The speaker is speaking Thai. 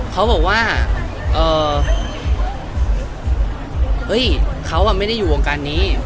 เขาบอกว่าเฮ้ยเขาไม่ได้อยู่วงการนี้